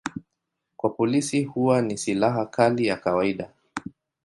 Kwa polisi huwa ni silaha kali ya kawaida.